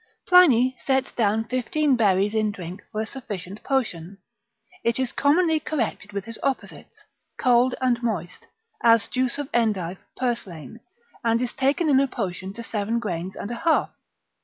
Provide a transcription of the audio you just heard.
Pliny sets down fifteen berries in drink for a sufficient potion: it is commonly corrected with his opposites, cold and moist, as juice of endive, purslane, and is taken in a potion to seven grains and a half.